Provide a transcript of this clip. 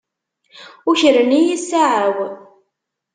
Ukren-iyi ssaɛa-w.